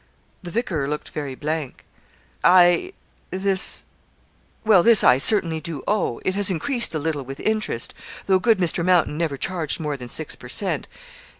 The vicar looked very blank. 'I this well, this I certainly do owe; it has increased a little with interest, though good Mr. Mountain never charged more than six per cent.